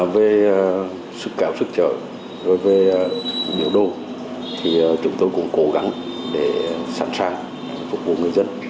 về sức kéo sức trợ rồi về biểu đồ chúng tôi cũng cố gắng để sẵn sàng phục vụ người dân